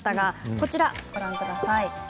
こちらをご覧ください。